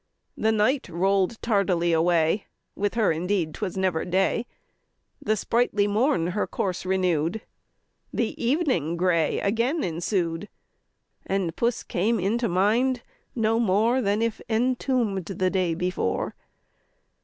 The night roll'd tardily away, (With her indeed 'twas never day,) The sprightly morn her course renew'd, The evening grey again ensued, And puss came into mind no more Than if entomb'd the day before.